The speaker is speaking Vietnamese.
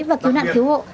và cứu nạn cứu hộ